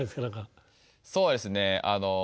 何かそうですね